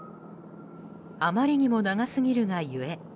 あまりにも長すぎるがゆえ